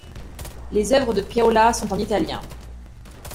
Les œuvres de Piola sont en italien.